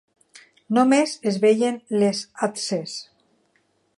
No més es veien les atxes